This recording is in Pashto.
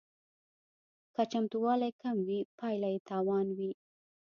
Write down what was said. که چمتووالی کم وي پایله یې تاوان وي